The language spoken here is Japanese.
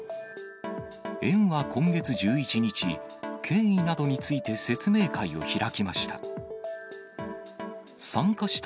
園は今月１１日、経緯などについて説明会を開きました。